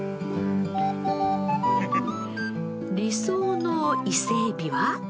理想の伊勢えびは？